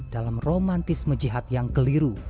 dalam romantisme jihad yang keliru